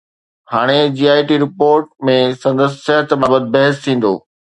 هاڻي J I T report ۾ سندس صحت بابت بحث ٿيندو